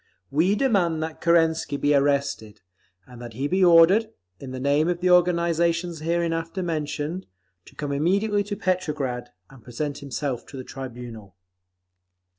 We demand that Kerensky be arrested, and that he be ordered, in the name of the organisations hereinafter mentioned, to come immediately to Petrograd and present himself to the tribunal.